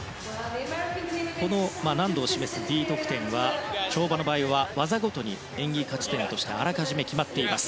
難度を示すＤ得点は跳馬の場合技ごとに演技価値点としてあらかじめ決まっています。